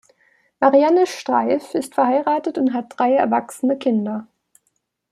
Marianne Streiff ist verheiratet und hat drei erwachsene Kinder.